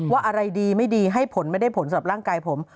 อะไรดีไม่ดีให้ผลไม่ได้ผลสำหรับร่างกายผม